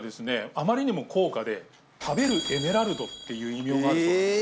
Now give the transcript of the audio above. あまりにも高価で食べるエメラルドっていう異名があるそうなんですよ。